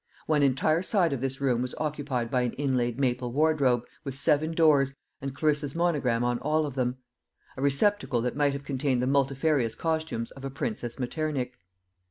One entire side of this room was occupied by an inlaid maple wardrobe, with seven doors, and Clarissa's monogram on all of them a receptacle that might have contained the multifarious costumes of a Princess Metternich.